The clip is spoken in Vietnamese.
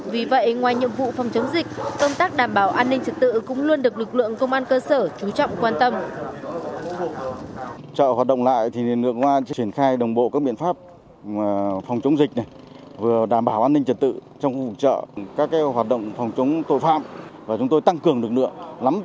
vì vậy bang quản lý trợ đã xây dựng các phương án để đảm bảo phòng chấm dịch một cách tốt nhất